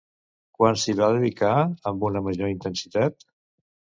Quan s'hi va dedicar amb una major intensitat?